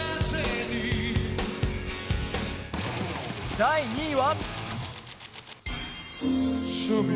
第２位は。